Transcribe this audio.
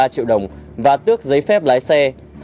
ba triệu đồng và tước giấy phép lái xe